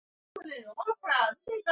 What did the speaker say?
رسوب د افغانستان د شنو سیمو ښکلا ده.